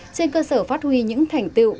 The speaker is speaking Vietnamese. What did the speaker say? trên cơ sở phát huy những thành tựu